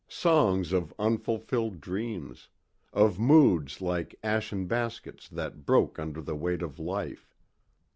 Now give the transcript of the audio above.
Songs of unfulfilled dreams, of moods like ashen baskets that broke under the weight of life.